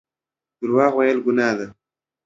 درواغ ويل ګناه لري